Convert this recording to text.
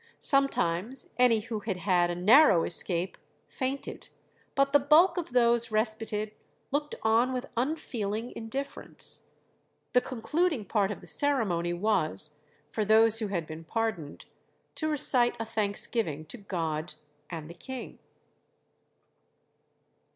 Sometimes any who had had a narrow escape fainted, but the bulk of those respited looked on with unfeeling indifference. The concluding part of the ceremony was, for those who had been pardoned, to recite a thanksgiving to God and the king.